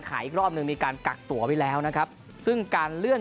อีกรอบหนึ่งมีการกักตัวไว้แล้วนะครับซึ่งการเลื่อน